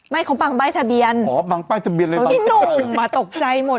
ไม่เขาบางป้ายทะเบียนหรอบางป้ายทะเบียนเลยบางทีอ๋อไอ้หนุ่มอะตกใจหมด